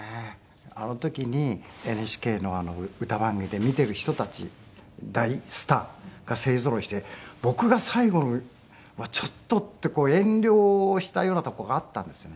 あの時にＮＨＫの歌番組で見ている人たち大スターが勢ぞろいして僕が最後はちょっとって遠慮をしたようなとこがあったんですよね。